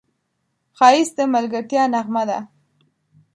ښایست د ملګرتیا نغمه ده